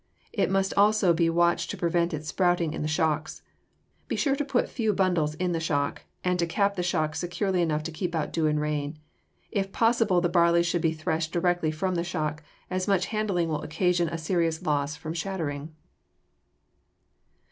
It must also be watched to prevent its sprouting in the shocks. Be sure to put few bundles in the shock and to cap the shock securely enough to keep out dew and rain. If possible the barley should be threshed directly from the shock, as much handling will occasion a serious loss from shattering.